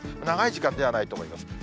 長い時間ではないと思います。